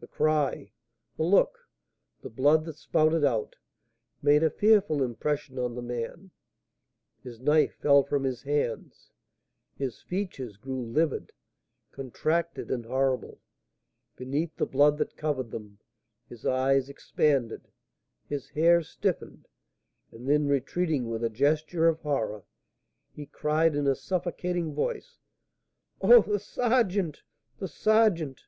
The cry, the look, the blood that spouted out, made a fearful impression on the man. His knife fell from his hands; his features grew livid, contracted, and horrible, beneath the blood that covered them; his eyes expanded, his hair stiffened; and then retreating, with a gesture of horror, he cried, in a suffocating voice, "Oh, the sergeant! the sergeant!"